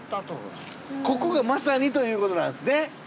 ここがまさにということなんですね。